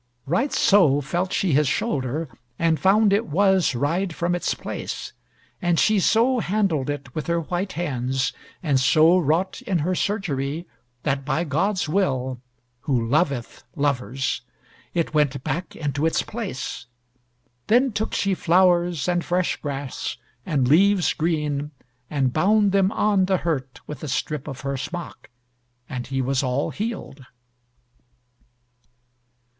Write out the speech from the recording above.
Right so felt she his shoulder and found it was wried from its place. And she so handled it with her white hands, and so wrought in her surgery, that by God's will who loveth lovers, it went back into its place. Then took she flowers, and fresh grass, and leaves green, and bound them on the hurt with a strip of her smock, and he was all healed.